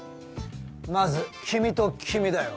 まず君と君だよ。